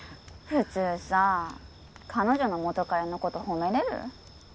普通さ彼女の元カレのこと褒めれる？